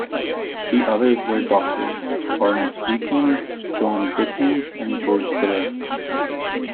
The others were doctors Barnett Slepian, John Britton and George Tiller.